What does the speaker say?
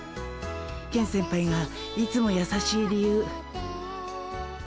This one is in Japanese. ケン先輩がいつもやさしい理由。